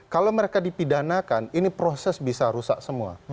kalau mereka dipidanakan ini proses bisa rusak semua